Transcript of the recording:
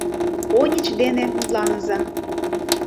Оньыч дене мутланыза.